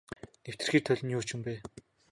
Нэвтэрхий толь нь ч юу юм бэ.